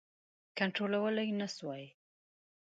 کنټرولولای نه سوای.